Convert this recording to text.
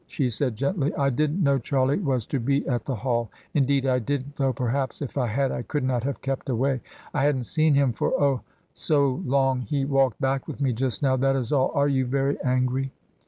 she said gently. "I didn't know Charlie was to be at the Hall. Indeed I didn't, though perhaps if I had, I could not have kept away. I hadn't seen him for, oh, so long; he walked back with me just now, that is all! Are you very angry?"